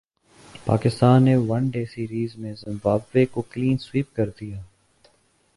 پاکستان نے one day series میں Zimbabwe کو کلین سوئپ کردیا